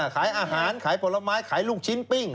ขายอาหารขายผลไม้ขายลูกชิ้นปิ้ง